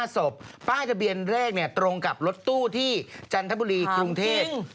ศพป้ายทะเบียนแรกตรงกับรถตู้ที่จันทบุรีกรุงเทพ